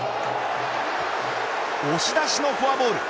押し出しのフォアボール。